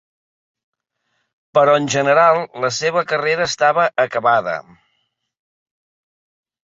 Però en general la seva carrera estava acabada.